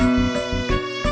gak ada apa apa